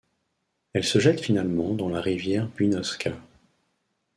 Elle se jette finalement dans la rivière Byunovska.